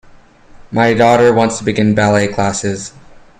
My daughter wants to begin ballet classes.